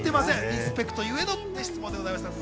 リスペクトゆえの質問です。